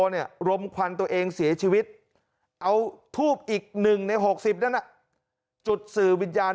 เนี่ยรมควันตัวเองเสียชีวิตเอาทูบอีก๑ใน๖๐นั้นจุดสื่อวิญญาณ